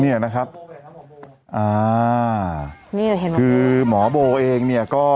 เนี่ยเห็นไม่เห็นสมมุติคือหมอโบเองเนี่ยก็